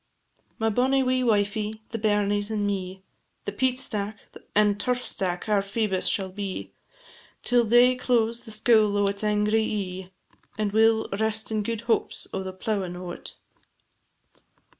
My bonny wee wifie, the bairnies, and me, The peat stack, and turf stack our Phoebus shall be, Till day close the scoul o' its angry ee, And we 'll rest in gude hopes o' the plowin' o't.